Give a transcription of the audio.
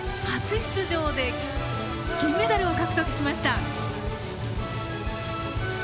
初出場で銀メダルを獲得しました。